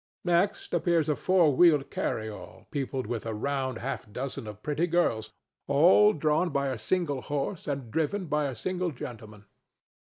Next appears a four wheeled carryall peopled with a round half dozen of pretty girls, all drawn by a single horse and driven by a single gentleman.